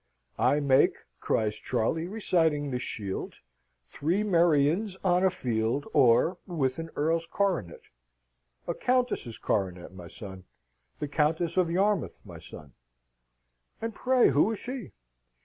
"I make." cries Charley, reciting the shield, "three merions on a field or, with an earl's coronet." "A countess's coronet, my son. The Countess of Yarmouth, my son." "And pray who is she?"